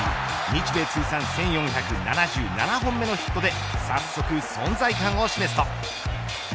日米通算１４７７本目のヒットで早速、存在感を示すと。